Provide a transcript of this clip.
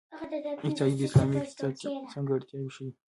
اقتصاد د اسلامي اقتصاد ځانګړتیاوې ښيي.